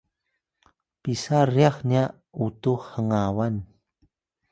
pisa ryax nya utux hngawan?